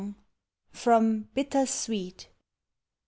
FROM " BITTER SWEET."